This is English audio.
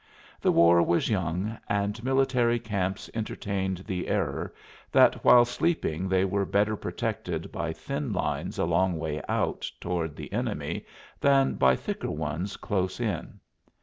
The war was young, and military camps entertained the error that while sleeping they were better protected by thin lines a long way out toward the enemy than by thicker ones close in.